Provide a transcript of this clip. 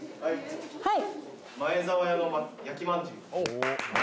はい。